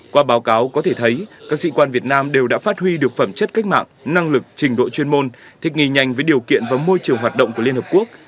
qua báo cáo có thể thấy các sĩ quan việt nam đều đã phát huy được phẩm chất cách mạng năng lực trình độ chuyên môn thích nghỉ nhanh với điều kiện và môi trường hoạt động của liên hợp quốc